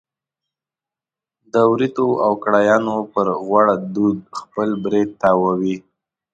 د وریتو او کړایانو پر غوړ دود خپل برېت تاووي.